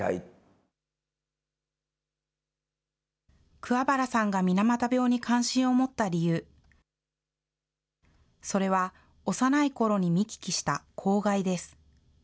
桑原さんが水俣病に関心を持った理由、それは、幼いころに見聞きした公害です。